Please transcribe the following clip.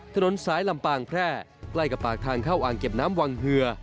ถนนสายลำปางแพร่ใกล้กับปากทางเข้าอ่างเก็บน้ำวังเฮือ